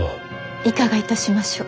いかがいたしましょう？